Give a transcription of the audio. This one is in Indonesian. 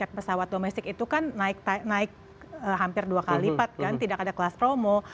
tiket pesawat domestik itu kan naik hampir dua kali lipat kan tidak ada kelas promo